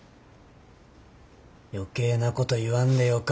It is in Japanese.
余計なこと言わんでよか。